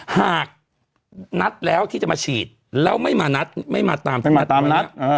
หากนัดแล้วที่จะมาฉีดแล้วไม่มานัดไม่มาตามนัด